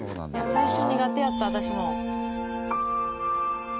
最初苦手やった私も。